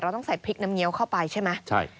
ต้องใส่พริกน้ำเงี้ยวเข้าไปใช่ไหม